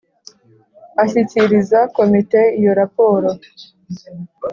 ashyikiriza Komite iyo raporo